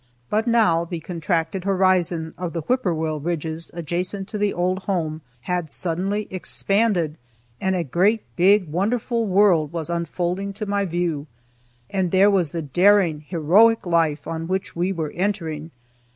But now the contracted horizon of the "Whippoorwill Ridges" adjacent to the old home had suddenly expanded, and a great big wonderful world was unfolding to my view. And there was the daring, heroic life on which we were entering!